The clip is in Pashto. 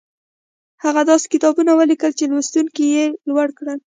هغه داسې کتابونه وليکل چې لوستونکي يې لوړ کړل.